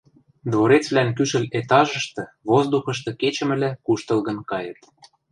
дворецвлӓн кӱшӹл этажышты воздухышты кечӹмӹлӓ куштылгын кайыт.